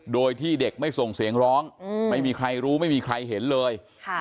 โดยที่เด็กไม่ส่งเสียงร้องไม่มีใครรู้ไม่มีใครเห็นเลย